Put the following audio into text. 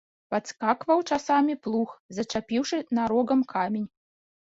Падскакваў часамі плуг, зачапіўшы нарогам камень.